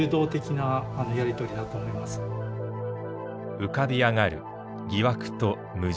浮かび上がる疑惑と矛盾。